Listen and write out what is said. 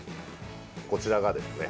こちらがですね